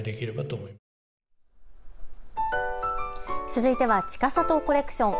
続いては、ちかさとコレクション。